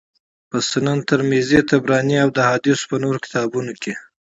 په سنن ترمذي، طبراني او د احاديثو په نورو کتابونو کي